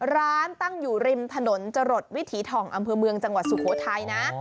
ร้านตั้งอยู่ริมถนนจวิถีทองอมมจังหวัดสุโขทัยนะ